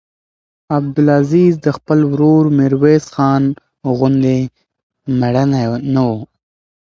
عبدالعزیز د خپل ورور میرویس خان غوندې مړنی نه و.